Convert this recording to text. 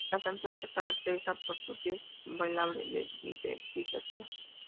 La canción se caracteriza por su riff bailable de sintetizador.